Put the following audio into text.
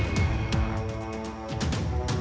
abdi ku yang bodoh